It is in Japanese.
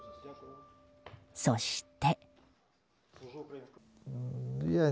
そして。